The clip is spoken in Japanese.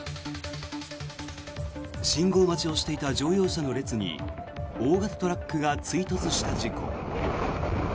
信号待ちをしていた乗用車の列に大型トラックが追突した事故。